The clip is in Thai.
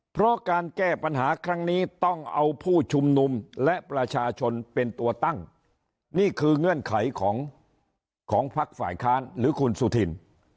เพราะการแก้ปัญหาครั้งนี้ต้องเอาผู้ชุมนุมและประชาชนเป็นตัวตั้งนี่คือเงื่อนไขของของพักฝ่ายค้านหรือคุณสุธิน